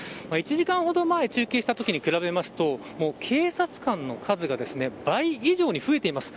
１時間ほど前中継したときに比べますと警察官の数が倍以上に増えています。